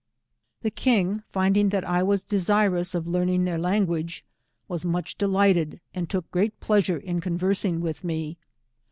The king finding that I was desirous of learning their language, was much delighted, and took great pleasure in conversing with me.